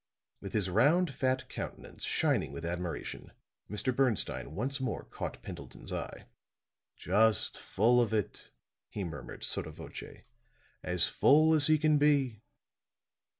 With his round, fat countenance shining with admiration, Mr. Bernstine once more caught Pendleton's eye. "Just full of it," he murmured, sotto voce. "As full as he can be."